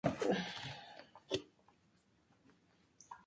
El concierto era muy sencillo en la puesta en escena.